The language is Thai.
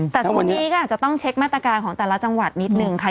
แต่ช่วงนี้ก็อาจจะต้องเช็คมาตรการของแต่ละจังหวัดนิดนึงค่ะ